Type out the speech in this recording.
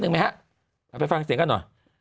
นึงนะไปฟังเสียงกันอ่ะ